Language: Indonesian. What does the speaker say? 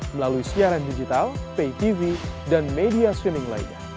melalui siaran digital paytv dan media streaming lainnya